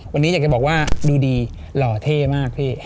วันนี้อยากจะบอกว่าดูดีหล่อเท่มากพี่